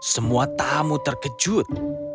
semua tamu terkejut